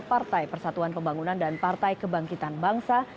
partai persatuan pembangunan dan partai kebangkitan bangsa